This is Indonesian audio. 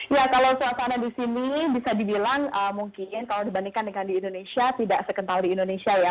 ya kalau suasana di sini bisa dibilang mungkin kalau dibandingkan dengan di indonesia tidak sekental di indonesia ya